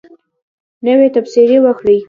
نوی تبصرې وکړئ